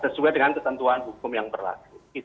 sesuai dengan ketentuan hukum yang berlaku